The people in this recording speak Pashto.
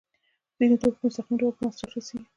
ځینې توکي په مستقیم ډول په مصرف رسیږي.